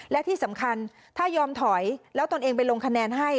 และที่สำคัญถ้ายอมถอยแล้วตนเองไปลงคะแนนให้